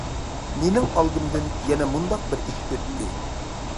مېنىڭ ئالدىمدىن يەنە مۇنداق بىر ئىش ئۆتتى.